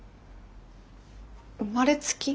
生まれつき？